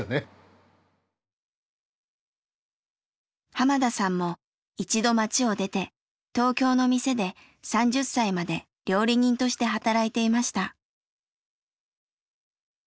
濱田さんも一度町を出て東京の店で３０歳まで料理人として働いていました。